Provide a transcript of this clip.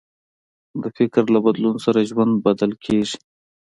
د فکر له بدلون سره ژوند بدل کېږي.